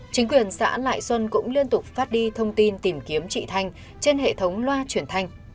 chính quyền xã lại xuân cũng liên tục phát đi thông tin tìm kiếm chị thanh trên hệ thống loa truyền thanh